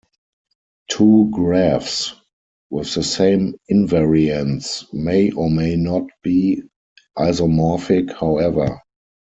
Two graphs with the same invariants may or may not be isomorphic, however.